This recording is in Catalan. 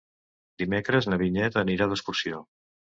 Dimecres na Vinyet anirà d'excursió.